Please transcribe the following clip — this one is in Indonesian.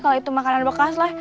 kalo itu makanan bekas leh